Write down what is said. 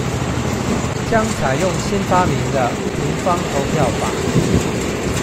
將採用新發明的「平方投票法」